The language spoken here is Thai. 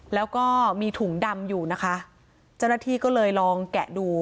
แล้วก็มีถุงดำอยู่นะคะเจ้าหน้าที่ก็เลยลองแกะดู